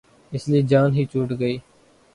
اس لیے جان ہی چھوٹ گئی۔